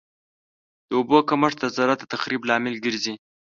د اوبو کمښت د زراعت د تخریب لامل ګرځي.